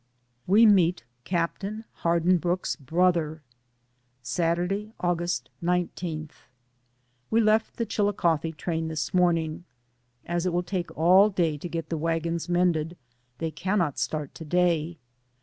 WE MEET CAPTAIN HARDINBROOKE's BROTHER. Saturday, August 19. We left the Chilicothe train this morning. As it will take all day to get the wagons mended, they cannot start to day.